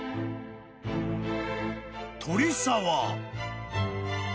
［鳥沢］